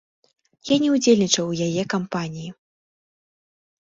Я не ўдзельнічаў у яе кампаніі.